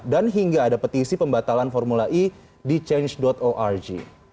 dan hingga ada petisi pembatalan formula e di change org